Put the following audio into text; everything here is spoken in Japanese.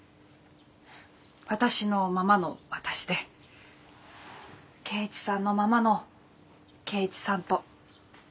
私のままの私で圭一さんのままの圭一さんと。